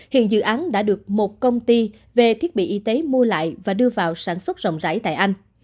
hiện dự án đã được một công ty về thiết bị y tế mua lại và đưa vào sản xuất rộng rãi tại anh